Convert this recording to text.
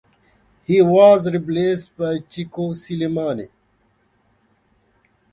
He was replaced by Chico Slimani.